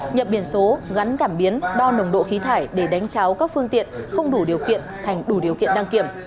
nhập biển số gắn cảm biến đo nồng độ khí thải để đánh cháo các phương tiện không đủ điều kiện thành đủ điều kiện đăng kiểm